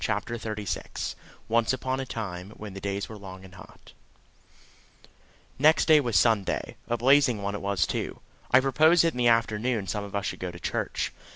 CHAPTER THIRTY SIX Once Upon a Time, when the days were long and hot Next day was Sunday a blazing one it was too. I proposed that in the afternoon some of us should go to church.